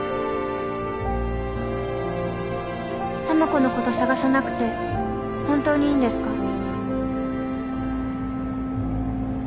たまこのこと捜さなくて本当にいいんですか？